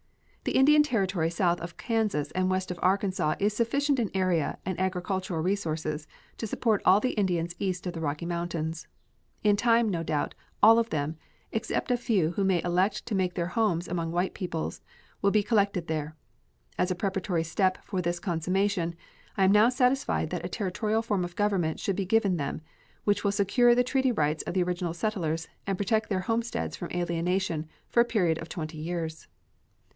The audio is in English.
The Indian Territory south of Kansas and west of Arkansas is sufficient in area and agricultural resources to support all the Indians east of the Rocky Mountains. In time, no doubt, all of them, except a few who may elect to make their homes among white people, will be collected there. As a preparatory step for this consummation, I am now satisfied that a Territorial form of government should be given them, which will secure the treaty rights of the original settlers and protect their homesteads from alienation for a period of twenty years.